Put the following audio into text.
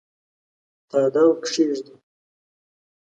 تاداو کښېږدي